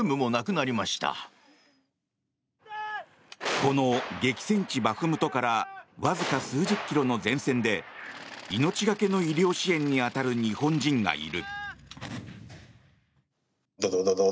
この激戦地バフムトからわずか数十キロの前線で命がけの医療支援に当たる日本人がいる。